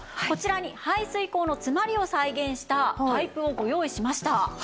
こちらに排水口の詰まりを再現したパイプをご用意しました。